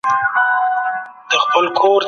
د پوهنې په سیستم کي د فساد پر وړاندې مبارزه نه وه.